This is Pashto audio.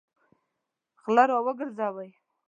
غله راوګرځوئ!